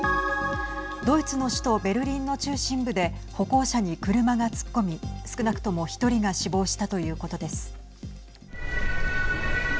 ドイツの首都ベルリンの中心部で歩行者に車が突っ込み少なくとも１人が死亡したということです。